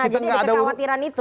jadi ada kekhawatiran itu